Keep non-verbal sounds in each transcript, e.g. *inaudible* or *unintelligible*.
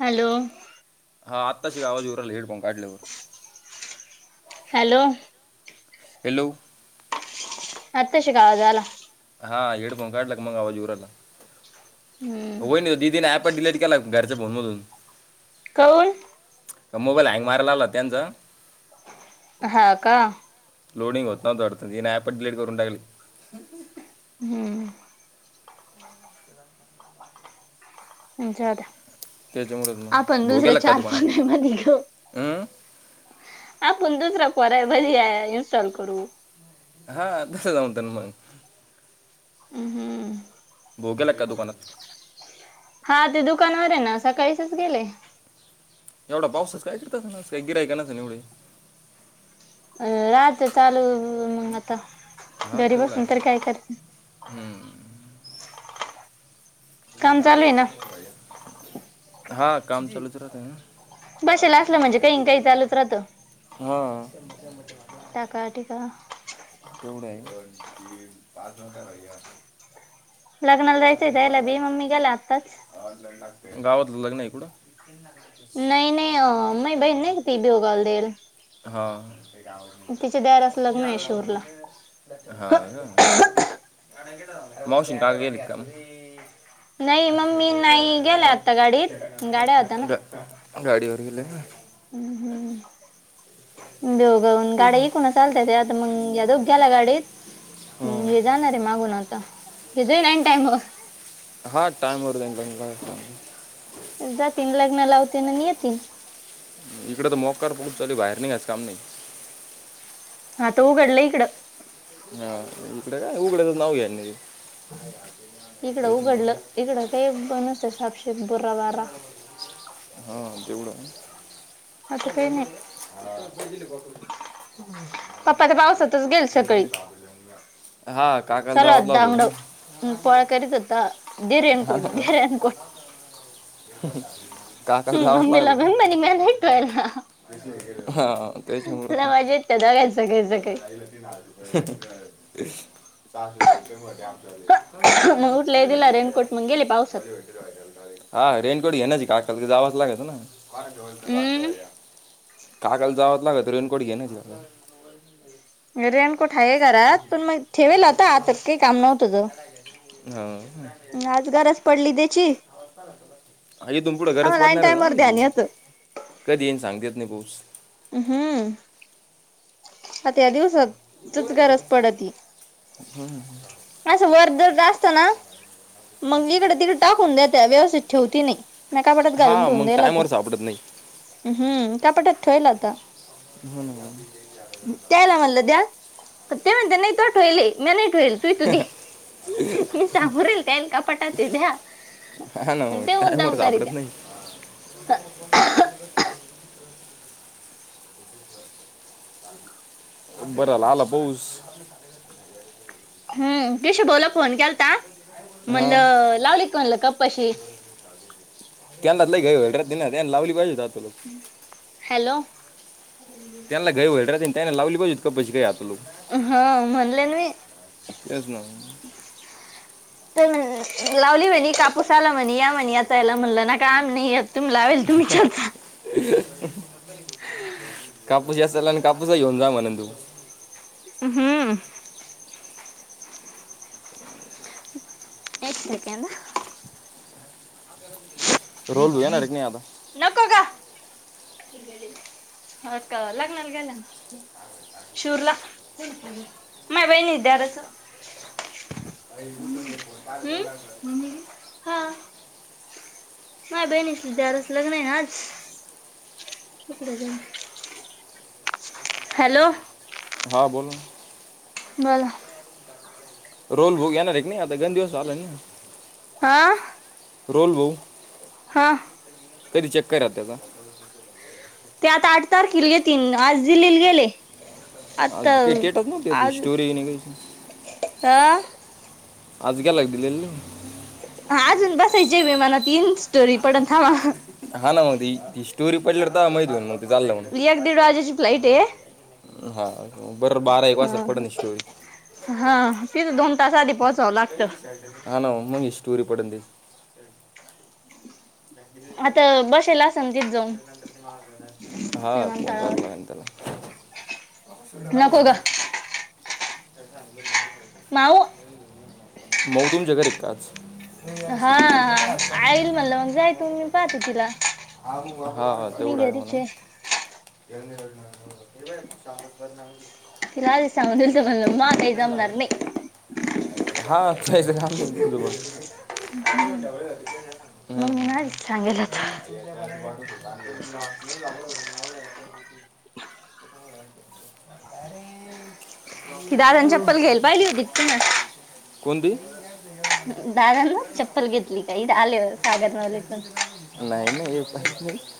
Hello. हा आत्ताशी आवाज येऊराहीला हेडफोन काढल्यावर. हॅलो. हॅलो. आताशी क आवाज आला. हा हेडफोन काढला की मग आवाज येऊराहिला हम्म वैनी दीदीन आप डिलेट केला घरच्या फोन मधून. काय. मोबाईल हँग मारयला आला त्यांचा. हा का. लोडिंग होत न्नव्हत वाढत तीन अँप डिलीट करून टाकली हम्म. जाऊद्या. त्याच्यामुळेच आपण मग भाऊ दुसरे गेला का चार *unintelligible* दुकानात हं? आपण दुसरा *unintelligible* इन्स्टॉल करू. हा दस जाऊ त्यां मग. हम् हम्म. भावू गेला का दुकानात. हा ते दुकानावर आहे ना सकाळीचच गेले. एवढा पाऊसच कायत न का गिराय का नस एवढे. अ राहत चालू मग आता. हा घरी तेवढा बसून आहे तर म काय करते हम्म. काम चालू आहे ना हा काम लूच राते. बसेला असलं म्हणजे काही काही चालूच राहतं हा. टाका टीका तेवढ आहे दोन तीन पाच नव्हता भैया लग्नाला जायचंय त्यायला बी मम्मी गेल्या आत्ताच गावातलं लग्न आहे कुडं नाही नाही मग बहीण नाही ती बिव घाल देईल हा. *unintelligible* तिच्या देराचं लग्न आहे शिरूरला. हा. मौशीन काग व लतम नाही लक्ष मग मी नाही गेले आता गाडीत गाड्या गाडी वर गेले ना हम् हम्म बेवगाऊन गाड्या एकूण चालतय ते आता मंग घ्याला गाडीत हो. हे जाणार आहे मागून आता हे जाईन आणि टाईम व हा टाइम उर दे. जातील लग्न लावते ना येतील इकड तर मोकार पोच चाली बाहेर नाहीच काम नाही. आता उघडलं इकडं हा इकडे काय उघडच नाव घ्या.. इकडं उघडलं इकडं काही बणसत सापशेप... हा तेवढं स आता काही होल नाही. पप्पा तर पावसातच गेले ब सकाळी *unintelligible* हा काकाल जावतलाच होत ना... पळ करत होता धैर अनकड धैर अनकड... काकास घ्यावाच लागल. मम्मीला मी म्हणे म्या नाही ठेवायला. हा तेचरच म आवाज येत दोघांच सकाळी चचाासप केव त्याम सकाळी फचाले... मग उठले गो दिला भेटले खायला रेनकोट मग गेले गो पावसात भेटाला... हा रेनकोट घे नाची काकाल क जावाच लागेत ना... हम्म काकाल जावच लाग तर रनकोट घेनच.. रें कुठा आहे घरात पण मग ठेवेल होता आता काही काम नव्हतं... हां आज गरज पडली दे.... इथून पुढं गरज आम्हाला ऐन पाडणार ना टाइमवर त्याची ध्यान येतं कधी येईन सांगता येत नाही बो... हम्म... आ त्या दिवसात... च गरज पडती असं वरदर असत ना... मंग इकड तिकड टाकून देत्या व्यवस्थित ठेवती नाही.. मग कपाटात घालून हा ठेवून मग देइल होत टायमवर सापडत नाही हम्म कपाटात ठेवल होत.. हम्... त्यायला म्हणलं द्या ते म्हणत नाही तू ठल मी नाही ठळेल तू तू दे... मी सामोरेल कान का पटात द्या... हा ना आणि ते टाइम वर मुद्दाम करी सापडत द्या नाही. बरंला आला पाऊस.. हम् कशी बोला फोन केलता.. हां म्हणलं लावली का म्हणलं कपशी... ग लावली पाज.. हॅलो त्याला गय वल राहते त्याने लावली पाोज प काय.. हा म्हणलेन मी तेच ना म्हण लावली म्हणे कापूस आला म्हणे या म्हणे याचायला म्हणलं ना काम नाही... तुम्ही लावेल तुम्हीच याचा *unintelligible* कापूस वेचला आणि कापूस घेऊन जा म्हणेन तू... हम्म एक सेकंड... रोल भाऊ येणार एक नाही आता नको का.. ह का लग्नाला गेल्या.... शूरला माय बहिणी दिराच... अ उठून घ फ पाल पण लागलं... हा माय बहिणीसध्या रस लग्न आहे नाच... कुक्रज हॅलो.... हा बोल बोला..... रोल भोग येणार एक नाही आता गण दिवस चालाय ना... आा... रोलवो.... हा.... कधी चेक करा त्याचा.... ते आता आठ तारखेला येतील आज दिल्लीला गेले.... आज आता काही डेटच नव्हती त्याची आज स्टोरी नाही काही ह... आज गेला काय दिली ला नेऊ. ह अजून बसायची विमानात ईल स्टोरी पडल थांबा हं. हि स्टोरी पडल तवामाहीत होईन म. एक दीड वाजेची फ्लईट हे. हा बरर बारा एक वाजता पडन स्टोरी. हा तिथं दोन तास आधी पोहोचावं लागतं हा ना ओ मग ही स्टोरी पडन त्याची. आता बसेल असंन तिथ जाऊन. हा फोन करायला विमानतळावर लागेल त्याला. लेला नको ग माऊ *unintelligible* माऊ तुमच्या कडे काय आज. झछप हा त गले आईल म्हणलं मग जाय तू मी पाहते तिला *unintelligible* मी एवढा आहे घरीच म्हणा *unintelligible* सांगुण दिलंत म्हण माह काही जामणार नही. हा त मम्मी का आधीच सांगेल होत *unintelligible* हम *unintelligible* व *unintelligible* ती दादांनी चप्पल घ्यायला पाहिली होती तुम्हाला कोणती. दादाांना चप्पल घेतली का इढ आलेवर सागर नवलेकूण. आणि हे पाहि नाही *unintelligible*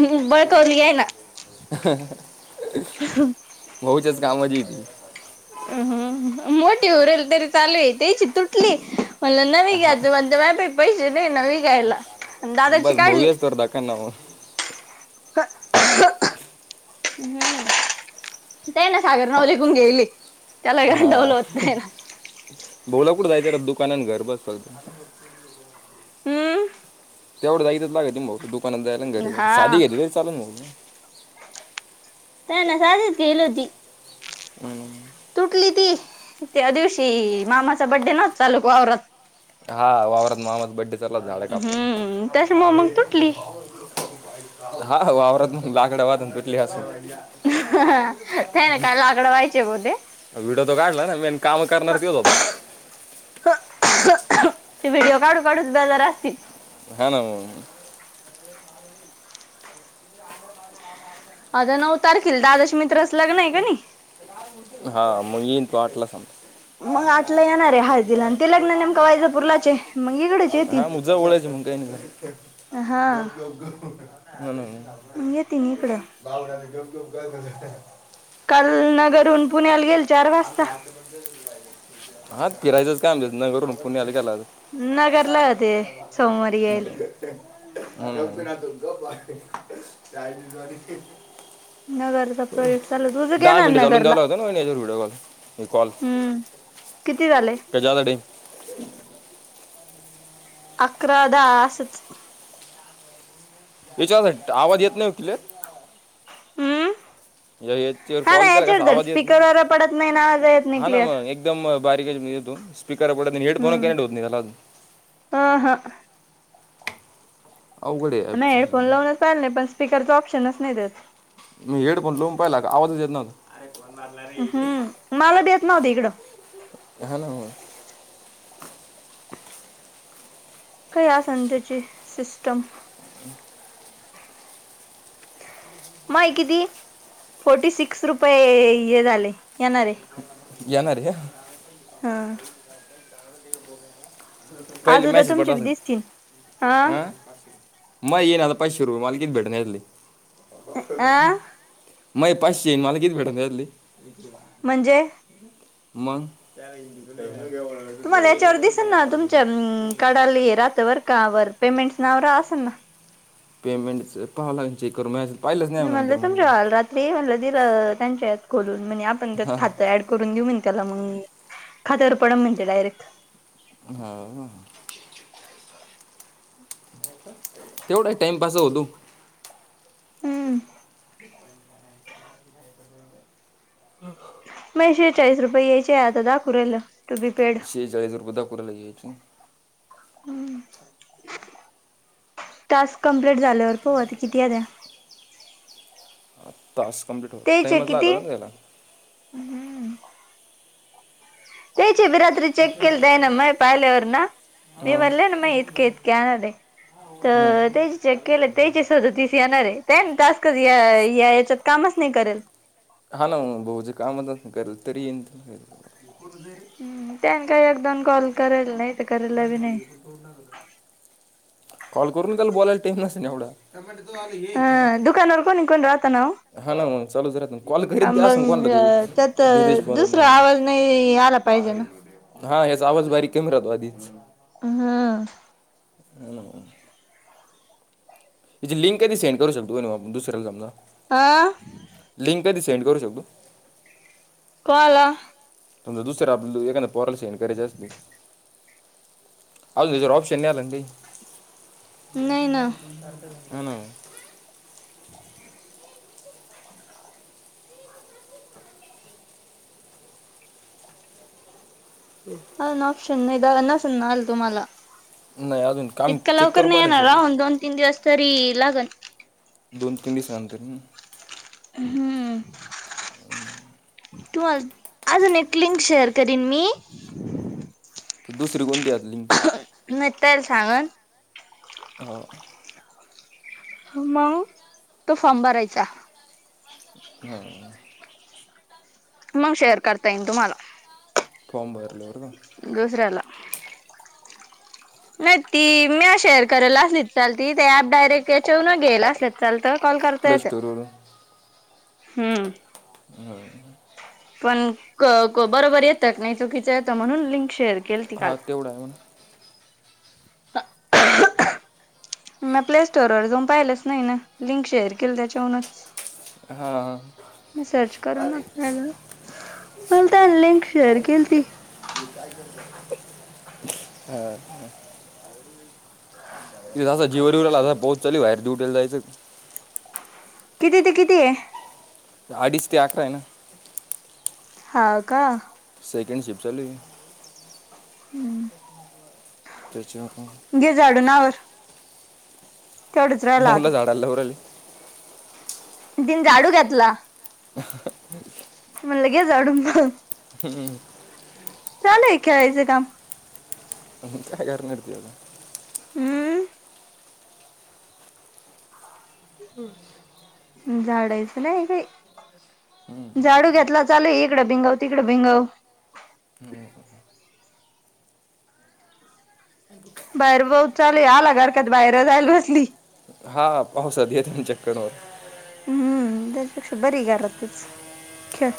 हूं बळकवली यान. महुच्याच कामची ती हूं हूं मोठीे उरेल तरी चालू आहे, त्याची तुटली. नवी हा घ्यायची म्हणते माझ्या कड पैसे नाही नवी घ्यायला न दादाची बस भाऊ काढली असतो दाखवा ना मग *unintelligible* ह ते ना सागर नवजिकून घेईल ये *unintelligible* त्याला हा गंडवल होत त्यानं. कुड जायच दुकानात घर बस हूं! तेवढं जायच *unintelligible* त मग पण द्यायला न घरी सादी हा घेतली तरी चालन. *unintelligible* केलती. हूं! तुटली ती त्या दिवशी मामाचा बड्डे ना चालूक वावरात. हा वावरत मामाचा बड्डे झाड कापताना. हम्म त्याच्यामुळे मग तुटली *unintelligible* हा वावरात *unintelligible* ह ते ना काय लाकडं व्हायचे होते. व्हिडिओ तो काढला ना मेन काम करणार त्योच होता. ते व्हिडिओ काढू काढूूच बेजार असतील. हा ना म. आता नऊ तारखेला दादश मित्र. हा मग येईन तो आटला समज. मग आठला येणार आहे हळदीला आणि ते लग्न नेमकं वायजापूरलाच आहे मग इकडेच येतील हा मुझा ओलायच *unintelligible* काही नाही का गप *unintelligible* मंग येतीन इकडं. का झा *unintelligible* काल नगरहून पुण्याला गेलत. हा फिरायचंच काम तिथं नगर वरून पुण्या आली. ला नगरला होते सोमवारी येईल *unintelligible* चायनीज व नगरचा - प्रोजेक्ट चालू तुझं - दहा घेणार मिनट जालून द्याव नगरला लागत ना *unintelligible* एक कॉल हम्म किती झाले कशासाठी? अकरा दा असंच. याच्यासाठी आवाज येत नाही व किलेर. हम. याच्यावर हा कॉल नाही केला कसा याच्यावर तर आवाज येत नाही स्पीकर वर पडत नाही नावाज येत नाही क्लिअर. बारीकतो स्पीकर अकडत नाही हेडफोन *unintelligible* हम्म नाहीत नाही त्याला अजून - - अ ह मग हेडफोन लावूनच चाले पण स्पीकरचा ऑप्शनच नाही त्यात - - मी हेडफोन लोवून पाहिला आवाजच येत नव्हता. हम्म. मला येत नव्हत इकडं. हा ना मग काय आसन त्याची सिस्टम? *inaudible* माय किती? फोर्टी सिक्स रुपये हे झाले. येणारे येणारे - - हा. पहिले आज उद्या मेसेज तुमचे पाठवाय बी सांग दिसतील हा कि यं माय येइल पाशे रु आले - - की भेटन ह्यातले. आ. मय पाचशे मला किती भेटन यातले? म्हणजे. मग. तुम्हाला याच्यावर दिसे ना तुमच्या अं - - काढाली रात्र वर का वर पेमेंट नावरा असेल ना. पेमेंटचा पाहा लाग चेकर माझ्या स - - मी म्हणलं समजाल रात्री म्हण दिलं त्यांच्या यात खोलून - - म्हणजे आपण त्याच हां खातं ऍड करून घेऊ म्ह त्याला मग खात्यावर पडम म्हणते डायरेक्ट - - हा. तेवढा टाइमपास होतु हम्. पैशे चाळीस रुपये यायचे आता दाखूरायंल. शेचाळीस रपय दाकु रायलं. टास्क कंप्लीट झाल्यावर पता किती आत्या. तास कंप्लीट होईल त्याचे टाइमच लाग किती ना त्याला. बि रात्री चेक केलत जाय ना म पाहिल्यावर ना मी हां म्हटले ना म इतके इतके आण - - हां तर ते चेक केलं तेचे सदतीस येणारे है. ते ना टास्क च या या याच्यात कामच नाही करल. हा ना मग बहुजी कामत करल तरी येईन. हम्म. त्यान काही एक, दोन कॉल करेल नाही. तर करेल बी नाही कॉल करून त्याल बोलायला टाइम नसे एवढा. *inaudible* हा दुकानावर कोणी कोण राहत ना हो हा ना म चालूच रा तु - - कॉल कररीत ब अस ना मग कोणला तू त्यात दिश दुसरा आवाज नाही आला पाहिजे ना *unintelligible* हा या्याचा आवाज बारीक कमी राहतो आधीच. हह. *inaudible* हीची लिंक कानी सेंड करू शकतो का आपन दुसऱ्याला समजा - - हा. कधी सेंड करू शकतो. कोला - - समजा दुसरं आपण एखाद पोराला सेंड करायच असते. आजुन काय ऑप्शन आला नाही ते नाही ना *unintelligible* ह ना. *inaudible* हा ना ऑप्शन नाही द नस आल तुम्हाला नाही अजून काम इतक चेक लवकर करून नाही आलं येणार राहून सगळं दोन, तीन दिवस तरी लागल. दोन, तीन दिवसानंतर. हम्म. तु् अजून एक लिंक शेअर करीन मी दुसरी कोणती द्यात. नटल सावान हो. मउ, तो फॉर्म भरायचा. हा मग शेअर करता येईन तुम्हाला. फॉर्म भर. दसऱ्याला नाही. ती म्या शेअर कराला असली चालते ते ऍप डायरेक्ट याच्याहून गेला असले चालत तवा कॉल प्ले करतायेत. स्टोरवरून हम्म. हो. पण क बरोबर येतं नाही. चुकीच येतं म्हणून लिंक शेअर केली ती हा तेवडा आहे. *inaudible* म प्ले स्टोरवर जाऊन पाहिलंच नाही ना. लिंक शेअर केलं त्याच्याहूनच हा म सर्च करू ना आपल्याल काय मि काय करतो. हा हा जीव *unintelligible* यला पोहोच चाली बाहेरड्युटीला जायचं. किती ते किती आहे. अडीच ते अकरा आहे ना. हा का सेकंड शिप्ट चालू आहे. ह् त्याच्यामुळं घे झाडून आवर. तेवढंच राहिला आता मऊलं झाडाला लवराहिले. दिन जाडू घेतला *inaudible* म्हणाले घे जाडून हम. चालूहय खेळायचं काम. काय करणार तर हम्म. हम्म. झाडायचं नाही काही झाडू घेतला चालू इकडं भिंगाव तिकडं भिंगाव बाहेर पाऊस चाले आला हरकत बाहेर जायला बसली. हा पावसात येत चक्कर और हम्म त्याच्यापेक्षा बरी घरातच खेळ